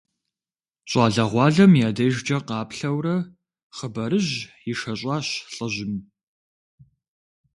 Щӏалэгъуалэм я дежкӏэ къаплъэурэ хъыбарыжь ишэщӀащ лӏыжьым.